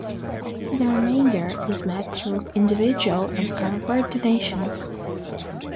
The remainder is met through individual and corporate donations.